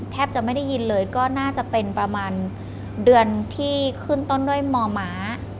แทบจะไม่ได้ยินเลยก็น่าจะเป็นประมาณเดือนที่ขึ้นต้นด้วยมม